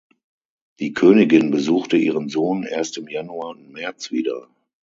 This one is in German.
Die Königin besuchte ihren Sohn erst im Januar und März wieder.